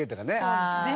そうですね